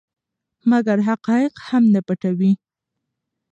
مګر حقایق هم نه پټوي.